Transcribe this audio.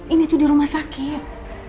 ini tuh di rumah sakit